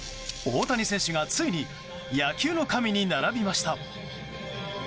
大谷選手がついに野球の神に並びました。